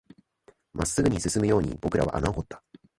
真っ直ぐに進むように僕らは穴を掘った